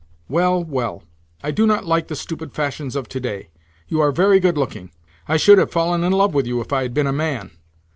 "Well, well. I do not like the stupid fashions of today. You are very good looking. I should have fallen in love with you if I had been a man.